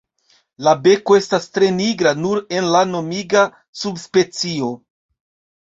La beko estas tre nigra nur en la nomiga subspecio.